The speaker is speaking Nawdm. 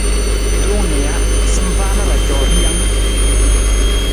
Tong nija, sampaa na ra coo rijang.